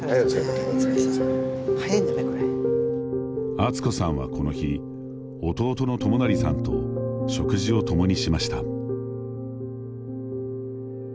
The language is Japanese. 敦子さんはこの日弟の知成さんと食事を共にしました。